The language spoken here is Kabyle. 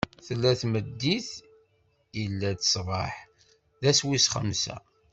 Tella-d tmeddit, illa-d ṣṣbeḥ: d ass wis xemsa.